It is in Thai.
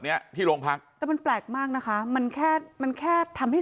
เนี้ยที่โรงพักแต่มันแปลกมากนะคะมันแค่มันแค่ทำให้